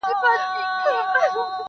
خړسایل مي د لفظونو شاهنشا دی-